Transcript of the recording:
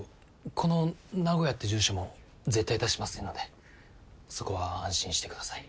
この名古屋って住所も絶対出しませんのでそこは安心してください。